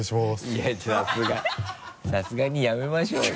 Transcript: いやさすがにさすがにやめましょうよ。